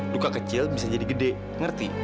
duka kecil bisa jadi gede ngerti